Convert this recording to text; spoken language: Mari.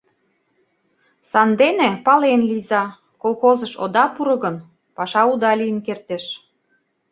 Сандене пален лийза: колхозыш ода пуро гын, паша уда лийын кертеш.